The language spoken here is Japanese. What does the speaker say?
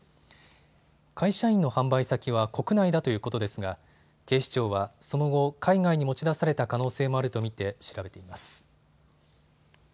会社員の販売先は国内だということですが警視庁はその後、海外に持ち出された可能性もあると見て調べています。